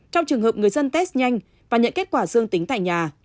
trong trường hợp người dân test nhanh và nhận kết quả dương tính tại nhà